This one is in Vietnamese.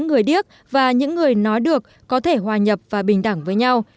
người điếc và những người nói được có thể hòa nhập và bình đẳng với nhau